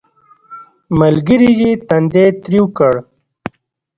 ملګري یې تندی ترېو کړ